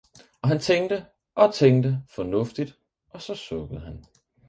Og han tænkte og tænkte fornuftigt, og så sukkede han